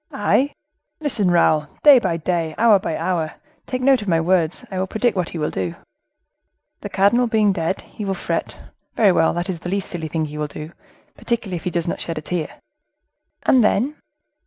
"I! Listen, Raoul. Day by day, hour by hour,—take note of my words,—I will predict what he will do. The cardinal being dead, he will fret; very well, that is the least silly thing he will do, particularly if he does not shed a tear." "And then?"